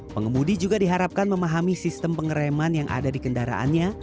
pengemudi juga diharapkan memahami sistem pengereman yang ada di kendaraannya